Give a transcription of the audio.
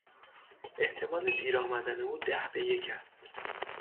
احتمال دیر آمدن او ده به یک است.